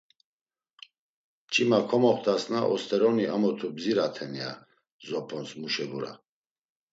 Mçima ko moxtasna, osteroni amutu bziraten ya zopons muşebura.